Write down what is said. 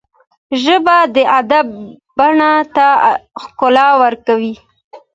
ژبه د ادب بڼ ته ښکلا ورکوي